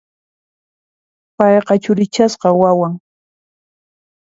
Payqa churichasqa wawan.